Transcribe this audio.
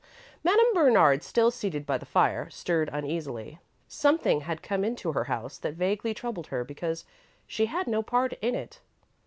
Madame Bernard, still seated by the fire, stirred uneasily. Something had come into her house that vaguely troubled her, because she had no part in it.